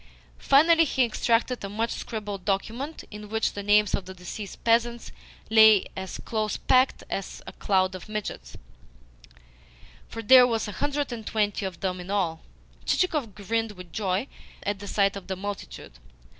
Finally he extracted a much scribbled document in which the names of the deceased peasants lay as close packed as a cloud of midges, for there were a hundred and twenty of them in all. Chichikov grinned with joy at the sight of the multitude.